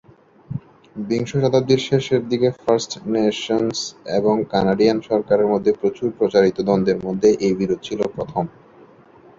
বিংশ শতাব্দীর শেষের দিকে ফার্স্ট নেশনস এবং কানাডিয়ান সরকারের মধ্যে প্রচুর প্রচারিত দ্বন্দ্বের মধ্যে এই বিরোধ ছিল প্রথম।